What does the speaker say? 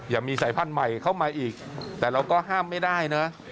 อย่ามีสายพันธุ์ใหม่เข้ามาอีกแต่เราก็ห้ามไม่ได้นะ